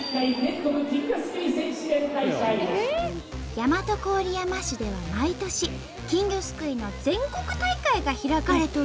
大和郡山市では毎年金魚すくいの全国大会が開かれとるんよ。